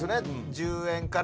１０円から。